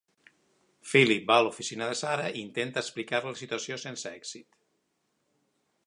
Philip va a l'oficina de Sara i intenta explicar-li la situació sense èxit.